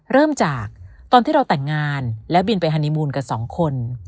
เริ่มจากตอนที่เราแต่งงานและบินไปฮานีมูลกันสองคน